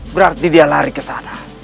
berarti dia lari ke sana